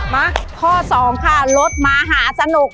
มาข้อ๒ค่ะรถมหาสนุก